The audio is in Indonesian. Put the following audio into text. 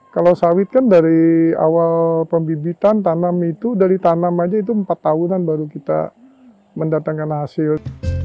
kalau sawit kan dari awal pembibitan tanam itu dari tanam aja itu empat tahunan baru kita mendatangkan hasil